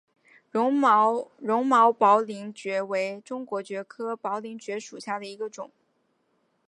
绒毛薄鳞蕨为中国蕨科薄鳞蕨属下的一个种。